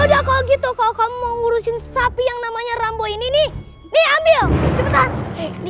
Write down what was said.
udah kalau gitu kalau kamu ngurusin sapi yang namanya rambu ini nih nih ambil cepetan